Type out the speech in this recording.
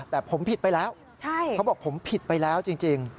แต่ผมผิดไปแล้วเขาบอกผมผิดไปแล้วจริง